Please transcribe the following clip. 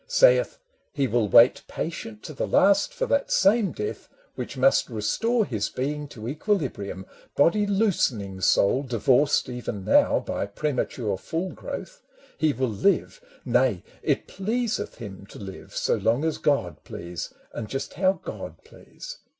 'Sayeth, he will wait patient to the last For that same death which must restore his being To equilibrium, body loosening soul Divorced even now by premature full growth : He will live, nay, it pleaseth him to live So long as God please, and just how God please.